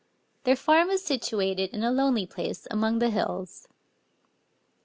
Their farm was situated in a lonely place, among the hills.